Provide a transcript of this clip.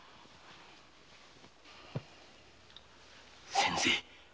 先生。